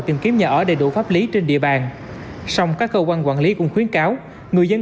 tìm kiếm nhà ở đầy đủ pháp lý trên địa bàn song các cơ quan quản lý cũng khuyến cáo người dân